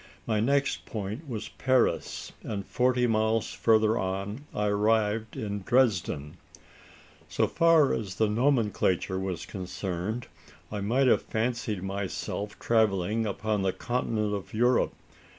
My next point was Paris; and forty miles further on, I arrived in Dresden! So far as the nomenclature was concerned, I might have fancied myself travelling upon the continent of Europe.